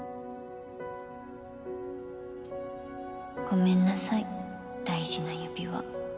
ごめんなさい大事な指輪